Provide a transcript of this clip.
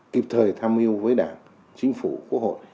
kịp thời tham mưu với đảng chính phủ quốc hội